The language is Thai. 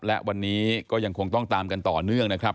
และวันนี้ก็ยังคงต้องตามกันต่อเนื่องนะครับ